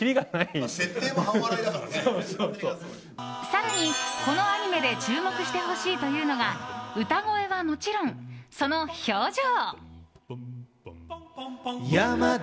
更に、このアニメで注目してほしいというのが歌声はもちろん、その表情。